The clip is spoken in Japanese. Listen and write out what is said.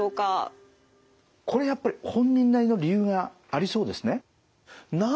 これやっぱり本人なりの理由がありそうですね。